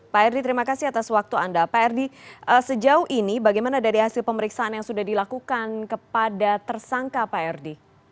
pak r d terima kasih atas waktu anda pak r d sejauh ini bagaimana dari hasil pemeriksaan yang sudah dilakukan kepada tersangka pak r d